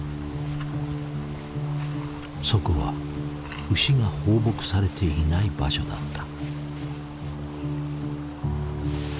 そこは牛が放牧されていない場所だった。